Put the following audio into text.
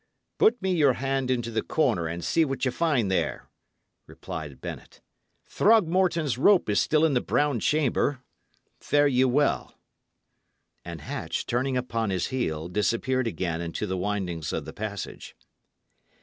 "Put me your hand into the corner, and see what ye find there," replied Bennet. "Throgmorton's rope is still in the brown chamber. Fare ye well." And Hatch, turning upon his heel, disappeared again into the windings of the passage.